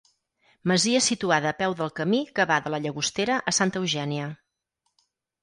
Masia situada a peu del camí que va de la Llagostera a Santa Eugènia.